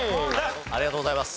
ありがとうございます。